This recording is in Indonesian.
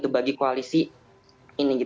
bagi koalisi ini